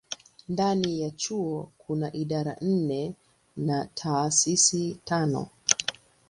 Ndani ya chuo kuna idara nne na taasisi tano.